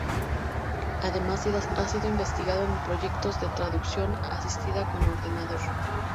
Además, ha sido investigador en proyectos de traducción asistida con ordenador.